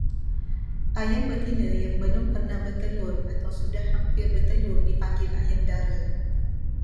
Ayam betina yang belum pernah bertelur atau sudah hampir bertelur dipanggil ayam dara.